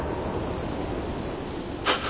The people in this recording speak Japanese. あ。